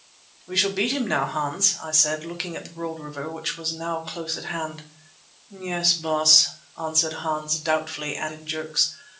"We shall beat him now, Hans," I said looking at the broad river which was now close at hand. "Yes, Baas," answered Hans doubtfully and in jerks.